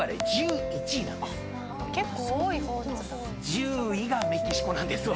１０位がメキシコなんですわ。